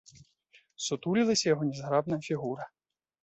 Сутулілася яго нязграбная фігура.